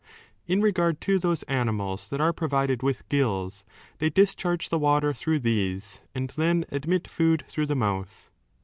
In regard to those animals that are pro vided with gills, they discharge the water through these and then admit food through the mouth.